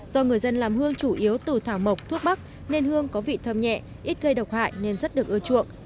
do người dân làm hương chủ yếu từ thảo mộc thuốc bắc nên hương có vị thơm nhẹ ít gây độc hại nên rất được ưa chuộng